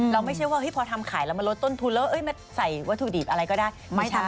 ไม่ใช่ว่าพอทำขายแล้วมาลดต้นทุนแล้วมาใส่วัตถุดิบอะไรก็ได้